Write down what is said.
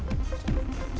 maksud pak remon apa